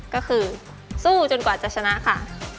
ก็คือสู้จนกว่าจะชนะค่ะ